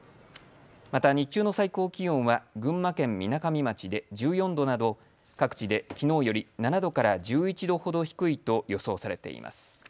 また日中の最高気温は群馬県みなかみ町で１４度など各地できのうより７度から１１度ほど低いと予想されています。